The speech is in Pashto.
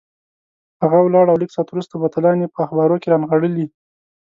هغه ولاړ او لږ ساعت وروسته بوتلان یې په اخبارو کې رانغاړلي.